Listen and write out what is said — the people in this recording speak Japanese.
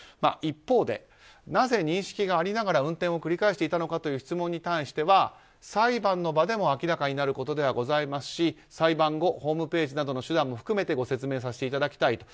一方でなぜ認識がありながら運転を繰り返していたのかという質問に対しては裁判の場でも明らかになることではございますし裁判後、ホームページなどの手段も含めてご説明させていただきたい。